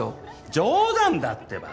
冗談だってば。